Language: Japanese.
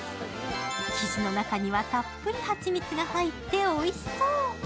生地の中には、たっぷり蜂蜜が入っておいしそう。